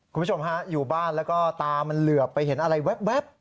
คุณผู้ชมฮะอยู่บ้านแล้วก็ตามันเหลือไปเห็นอะไรแว๊บ